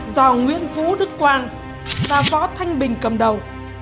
do nguyễn vũ đức quang và võ thanh bình cầm đầu